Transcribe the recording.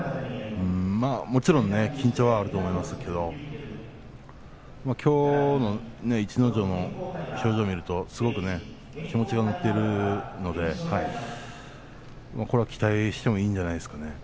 もちろん緊張はあると思いますけどきょうの逸ノ城の表情を見るとすごく気持ちが乗っているのでこれは期待してもいいんじゃないですかね。